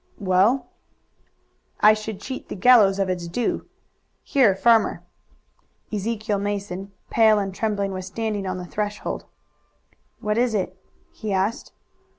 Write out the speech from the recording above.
"Well?" "I should cheat the gallows of its due. Here, farmer!" Ezekiel Mason, pale and trembling, was standing on the threshold. "What is it?" he asked.